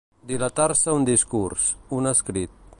Dilatar-se un discurs, un escrit.